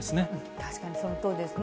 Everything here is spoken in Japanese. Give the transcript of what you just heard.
確かにそのとおりですね。